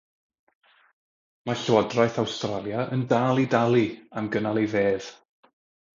Mae Llywodraeth Awstralia yn dal i dalu am gynnal ei fedd.